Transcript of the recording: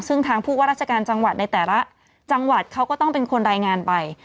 ซึ่งทางผู้ว่าราชการจังหวัดในแต่ละจังหวัดเขาก็ต้องเป็นคนรายงานไป